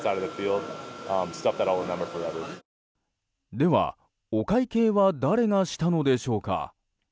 では、お会計は誰がしたのでしょうか。